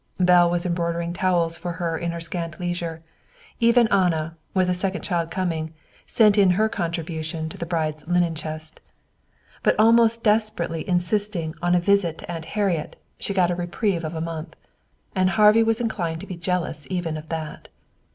Belle was embroidering towels for her in her scant leisure. Even Anna, with a second child coming, sent in her contribution to the bride's linen chest. By almost desperately insisting on a visit to Aunt Harriet she got a reprieve of a month. And Harvey was inclined to be jealous even of that.